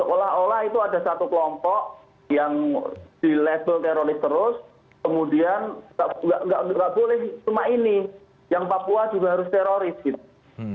olah itu ada satu kelompok yang di level teroris terus kemudian nggak boleh cuma ini yang papua juga harus teroris gitu